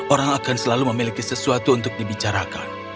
orang akan selalu memiliki sesuatu untuk dibicarakan